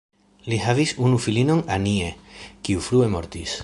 Ili havis unu filinon Annie, kiu frue mortis.